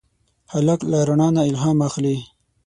هلک له رڼا نه الهام اخلي.